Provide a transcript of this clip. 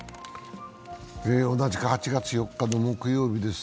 同じく８月４日の木曜日です。